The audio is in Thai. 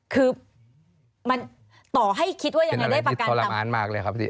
เป็นอะไรที่ทรมานมากเลยครับ